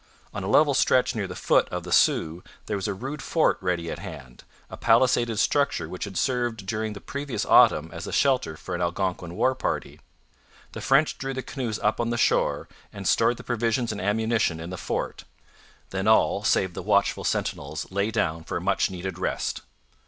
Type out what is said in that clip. On a level stretch near the foot of the Sault there was a rude fort ready at hand, a palisaded structure which had served during the previous autumn as a shelter for an Algonquin war party. The French drew the canoes up on the shore, and stored the provisions and ammunition in the fort. Then all save the watchful sentinels lay down for a much needed rest.